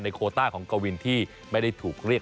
โคต้าของกวินที่ไม่ได้ถูกเรียก